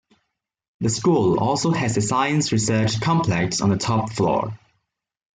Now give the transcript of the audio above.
The school also has a Science Research Complex on the top floor.